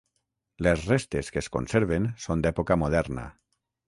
Les restes que es conserven són d'època moderna.